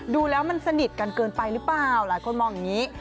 ดูแล้วมันสนิทกันเกินไปหรือเปล่าหลายคนมองอย่างนี้